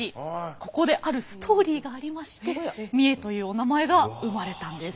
ここであるストーリーがありまして三重というお名前が生まれたんです。